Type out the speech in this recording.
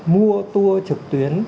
mua tour trực tuyến